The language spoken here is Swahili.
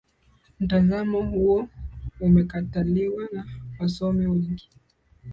mtazamo huo unakataliwa na wasomi wengi